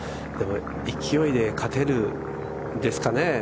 勢いで勝てるですかね？